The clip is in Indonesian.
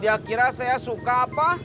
ya kira saya suka apa